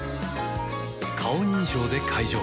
顔認証で解錠